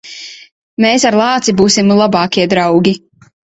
Mēs ar lāci būsim labākie draugi.